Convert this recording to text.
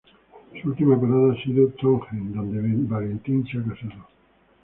Su última parada ha sido Trondheim, donde Valentine se ha casado.